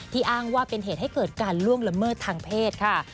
อ้างว่าเป็นเหตุให้เกิดการล่วงละเมิดทางเพศค่ะ